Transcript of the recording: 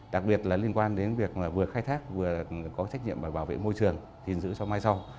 đặc biệt là liên quan đến việc vừa khai thác vừa có trách nhiệm bảo vệ môi trường gìn giữ cho mai sau